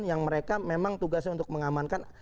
yang mereka memang tugasnya untuk mengamankan